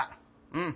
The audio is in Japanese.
「うん。